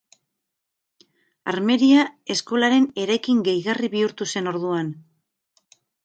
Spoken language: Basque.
Armeria Eskolaren eraikin gehigarri bihurtu zen orduan.